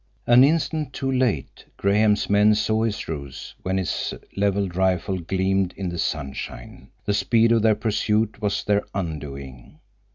An instant too late Graham's men saw his ruse when his leveled rifle gleamed in the sunshine. The speed of their pursuit was their undoing.